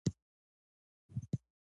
انجنیران روباټونه ازمويي.